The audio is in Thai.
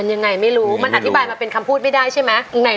ยังไงไม่รู้มันอธิบายมาเป็นคำพูดไม่ได้ใช่ไหม